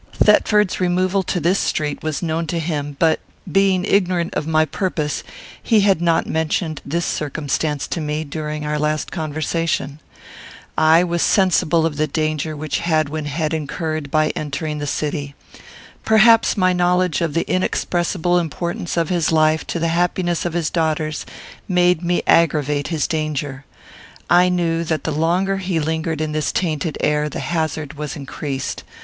Thetford's removal to this street was known to him; but, being ignorant of my purpose, he had not mentioned this circumstance to me, during our last conversation. I was sensible of the danger which Hadwin had incurred by entering the city. Perhaps my knowledge of the inexpressible importance of his life to the happiness of his daughters made me aggravate his danger. I knew that the longer he lingered in this tainted air, the hazard was increased.